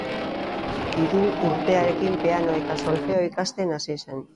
Hiru urterekin pianoa eta solfeoa ikasten hasi zen.